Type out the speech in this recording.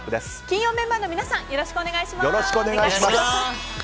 金曜メンバーの皆さんよろしくお願いします。